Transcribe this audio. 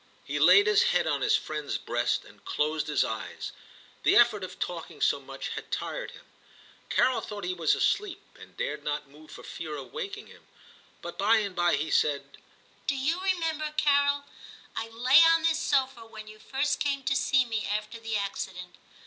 He laid his head on his friend's breast and closed his eyes ; the effort of talking so much had tired him. Carol thought he was asleep, and dared not move for fear of waking him ; but by and by he said, * Do you remember, Carol ? I lay on this sofa when you first came to see me after the accident.